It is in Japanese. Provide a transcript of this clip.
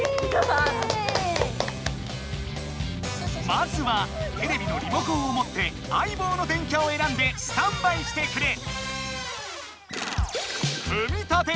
まずはテレビのリモコンを持ってあいぼうの電キャをえらんでスタンバイしてくれ！